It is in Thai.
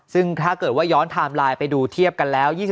ซึ่งถ้าเกิดว่าย้อนไทม์ไลน์ไปดูเทียบกันแล้ว